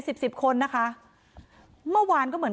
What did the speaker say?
นางศรีพรายดาเสียยุ๕๑ปี